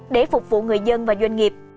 để phục vụ người dân và doanh nghiệp